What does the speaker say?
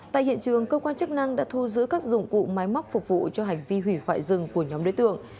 tại hiện trường cơ quan chức năng đã thu giữ các dụng cụ máy móc phục vụ cho hành vi hủy hoại rừng của nhóm đối tượng